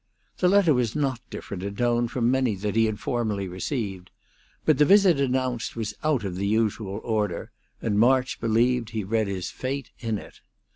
The letter was not different in tone from many that he had formerly received; but the visit announced was out of the usual order, and March believed he read his fate in it.